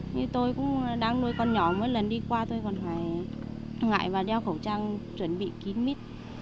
như tôi cũng đang nuôi con nhỏ mỗi lần đi qua tôi còn phải ngại và đeo khẩu trang chuẩn bị kín mít